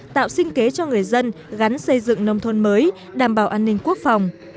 tạo sinh kế cho người dân gắn xây dựng nông thôn mới đảm bảo an ninh quốc phòng